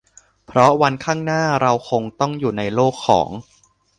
เพราะวันข้างหน้าเราคงต้องอยู่ในโลกของ